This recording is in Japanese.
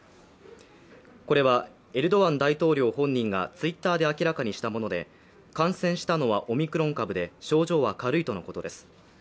これはエルドアン大統領本人がＴｗｉｔｔｅｒで明らかにしたもので、感染したのはオミクロン株で症状は軽いとのことです。